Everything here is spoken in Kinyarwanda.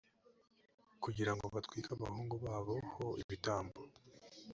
kugira ngo batwike abahungu babo ho ibitambo